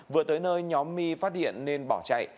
vừa tới nơi nhóm my phát hiện nên bỏ chạy